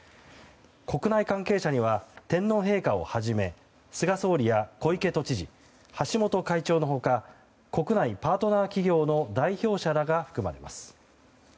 国内関係者には天皇陛下をはじめ菅総理や小池都知事橋本会長の他国内パートナー企業の代表者らが含まれます。